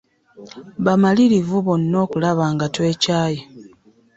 Bamalirivu bonna okulaba nga twekyaye.